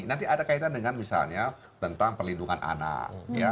nanti ada kaitan dengan misalnya tentang perlindungan anak